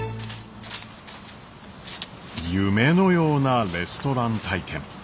夢のようなレストラン体験。